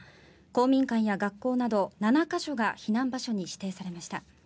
公民館や学校など７か所が避難場所に指定されました。